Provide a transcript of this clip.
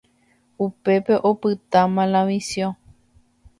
Upépe opyta Malavisiõ.